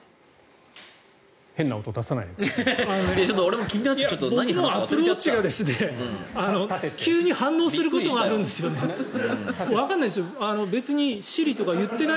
変な音を出さないでください。